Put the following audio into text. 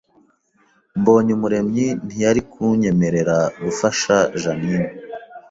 Mbonyumuremyi ntiyari kunyemerera gufasha Jeaninne